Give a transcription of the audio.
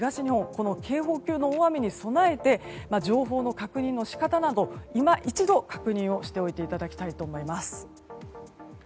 この警報級の大雨に備えて情報の確認の仕方など、今一度確認をしておいていただきたいと思います。